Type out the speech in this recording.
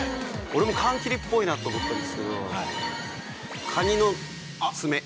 俺も缶切っぽいなと思ったんですけど、カニの爪？